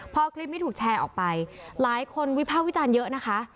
พอคลิปนี้ถูกแชร์ออกไปหลายคนวิภาควิจารณ์เยอะนะคะ